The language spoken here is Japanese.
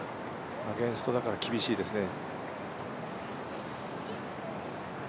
アゲンストだから厳しいですね。